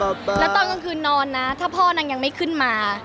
แล้วตอนกลางคืนนอนนะถ้าพ่อนางยังไม่ขึ้นมา